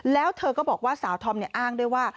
แล้วเธอก็บอกว่าสาวธอมอ้างด้วยว่า